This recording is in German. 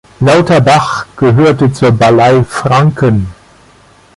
Lauterbach gehörte zur Ballei Franken.